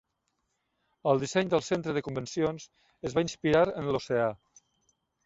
El disseny del Centre de Convencions es va inspirar en l'oceà.